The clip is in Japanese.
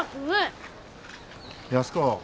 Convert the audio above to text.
安子。